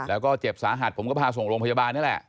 แล้วก็เจ็บสาหัสผมก็พาส่งโรงพยาบาลนี่แหละ